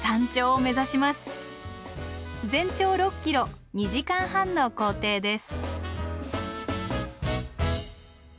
全長６ｋｍ２時間半の行程です。